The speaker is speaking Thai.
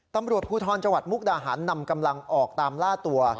ตำรวจภูทรจังหวัดมุกดาหารนำกำลังออกตามล่าตัว